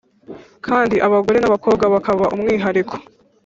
kandi abagore n’abakobwa bakaba umwihariko,